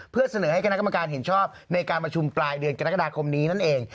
เพื่อเสนอให้คณะกรรมการเห็นชอบในการประชุมปลายเดือนกรกฎาคมนี้นั่นเอง